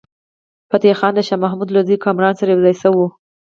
فتح خان د شاه محمود له زوی کامران سره یو ځای شو.